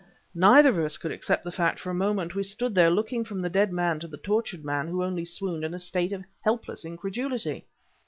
Neither of us could accept the fact for a moment; we stood there, looking from the dead man to the tortured man who only swooned, in a state of helpless incredulity.